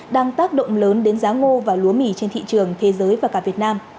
đang tác động lớn đến giá ngô và lúa mì trên thị trường thế giới và cả việt nam